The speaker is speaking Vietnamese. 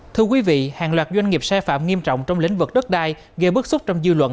thưa quý vị hàng loạt doanh nghiệp sai phạm nghiêm trọng trong lĩnh vực đất đai gây bức xúc trong dư luận